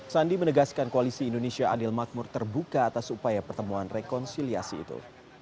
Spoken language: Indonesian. sandi menegaskan koalisi indonesia adil makmur terbuka atas upaya pertemuan rekonsiliasi itu